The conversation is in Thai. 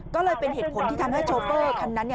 ก็เลยเป็นเหตุผลที่ทำให้โชเฟอร์คันนั้น